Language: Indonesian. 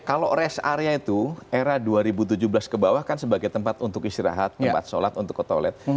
kalau rest area itu era dua ribu tujuh belas ke bawah kan sebagai tempat untuk istirahat tempat sholat untuk ke toilet